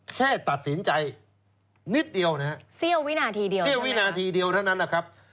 แค่ตัดสินใจนิดเดียวนะครับเซียววินาทีเดียวเท่านั้นนะครับ